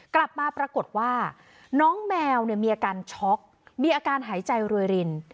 กลับมาปรากฏว่าน้องแมวมีอาการช็อกมีอาการหายใจรวยริน